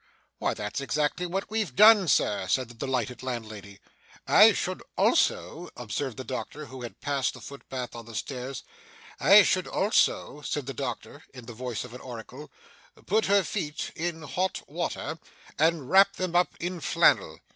'Why, that's exactly what we've done, sir!' said the delighted landlady. 'I should also,' observed the doctor, who had passed the foot bath on the stairs, 'I should also,' said the doctor, in the voice of an oracle, 'put her feet in hot water, and wrap them up in flannel.